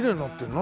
何？